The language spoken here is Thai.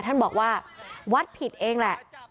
ท่านบอกว่าวัดผิดเองแหละ